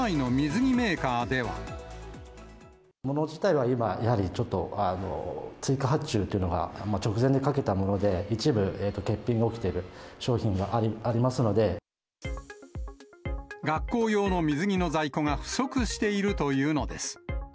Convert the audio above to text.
もの自体は今、やはりちょっと、追加発注というのが直前でかけたもので、一部、欠品が起きている学校用の水着の在庫が不足しているというのです。